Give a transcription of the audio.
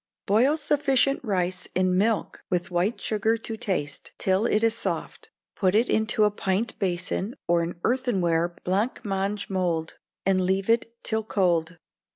Boil sufficient rice in milk, with white sugar to taste, till it is soft; put it into a pint basin or an earthenware blanc mange mould, and leave it till cold.